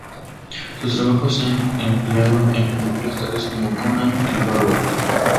Sus trabajos se han empleado en películas tales como Conan el Bárbaro.